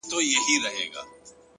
خپل راتلونکی په نن جوړ کړئ’